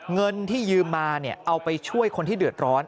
เงินที่ยืมมาเอาไปช่วยคนที่เดือดร้อน